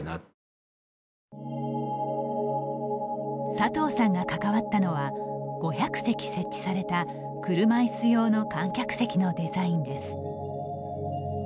佐藤さんが関わったのは５００席設置された車いす用の観客席のデザインです。